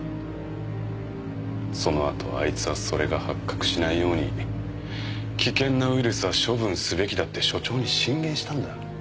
そのあとあいつはそれが発覚しないように危険なウイルスは処分すべきだって所長に進言したんだ。